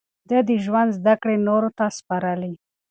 ده د ژوند زده کړې نورو ته سپارلې.